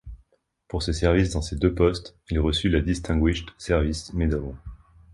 Pour ses services dans ces deux postes, il reçut la Distinguished Service Medal.